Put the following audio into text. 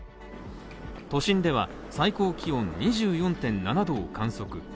都心では、最高気温２４．７度を観測。